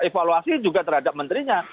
evaluasi juga terhadap menterinya